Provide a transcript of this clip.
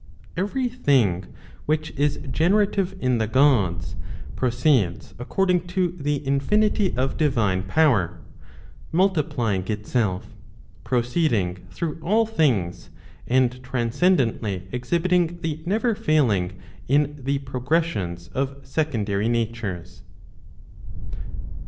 Every thing which is generative in the Gods, proceeds according to the infinity of divine power, multiplying itself, proceeding through all things, and transcendently exhibiting the never failing in the progressions of secondary natures.